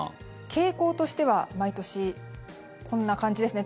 傾向としては毎年こんな感じですね。